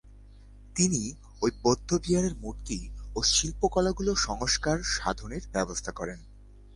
তিনি ঐ বৌদ্ধবিহারের মূর্তি ও শিল্পকলাগুলির সংস্কার সাধনের ব্যবস্থা করেন।